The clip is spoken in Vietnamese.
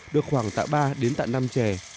được khoảng tạ ba năm trẻ